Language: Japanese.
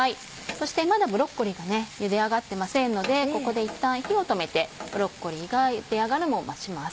そしてまだブロッコリーがゆで上がってませんのでここでいったん火を止めてブロッコリーがゆで上がるのを待ちます。